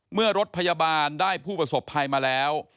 เมื่อรถพยาบาลได้ผู้ประสบภัยมาแล้ว